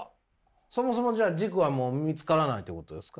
そもそもじゃあ軸はもう見つからないっていうことですか？